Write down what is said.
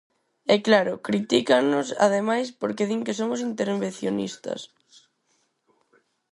E claro, critícannos, ademais, porque din que somos intervencionistas.